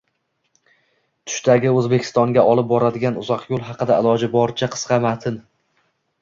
Tushdagi O'zbekistonga olib boradigan uzoq yo'l haqida iloji boricha qisqa matn